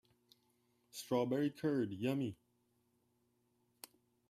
Strawberry curd, yummy!